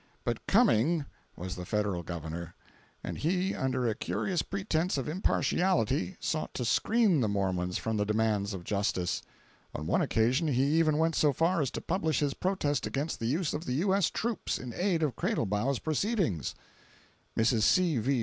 But Cumming was the Federal Governor, and he, under a curious pretense of impartiality, sought to screen the Mormons from the demands of justice. On one occasion he even went so far as to publish his protest against the use of the U.S. troops in aid of Cradlebaugh's proceedings. Mrs. C. V.